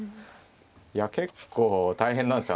いや結構大変なんですよ